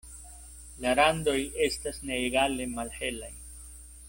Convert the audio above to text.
La randoj estas neegale malhelaj.